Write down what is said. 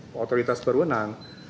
oleh otoritas perwenang